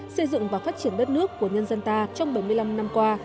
xây dựng và phát triển đất nước của nhân dân ta trong bảy mươi năm năm qua